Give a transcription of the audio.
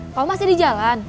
kau masih di jalan